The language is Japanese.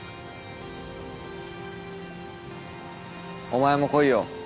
お前も来いよ